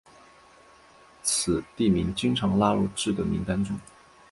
此地名经常纳入至的名单中。